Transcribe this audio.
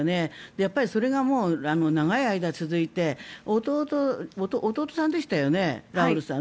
やっぱりそれが長い間続いて弟さんでしたよね、ラウルさん。